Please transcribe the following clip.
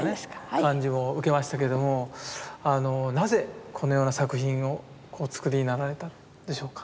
感じも受けましたけれどもなぜこのような作品をお作りになられたんでしょうか？